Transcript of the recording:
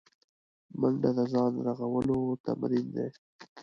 منډه د ځان رغولو تمرین دی